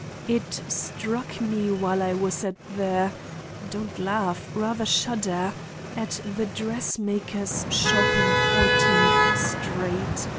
It struck me while I was at the—don't laugh; rather shudder—at the dressmaker's shop in Fourteenth Street.